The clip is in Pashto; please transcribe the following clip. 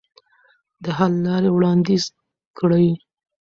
د حل لارې وړاندیز کړئ.